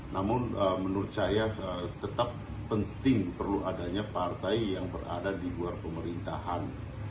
namun menurut saya tetap penting perlu adanya partai yang berada di luar pemerintahan